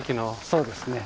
そうですね。